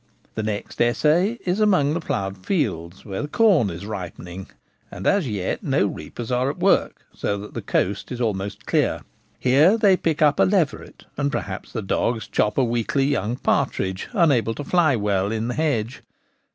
Their next essay is among the ploughed fields, where the corn is ripening and as yet no reapers are at work, so that the coast is almost clear. Here they pick up a leveret, and perhaps the dogs chop a weakly young partridge, unable to fly well, in the hedge.